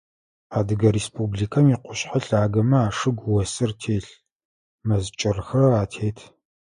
Адыгэ Республикэм икъушъхьэ лъагэмэ ашыгу осыр телъ, мэз кӏырхэр атет.